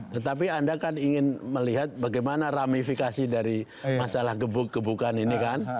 tetapi anda kan ingin melihat bagaimana ramifikasi dari masalah gebuk gebukan ini kan